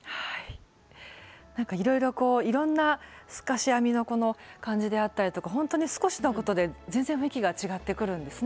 なんかいろいろこういろんな透かし編みの感じであったりとかほんとに少しのことで全然雰囲気が違ってくるんですね。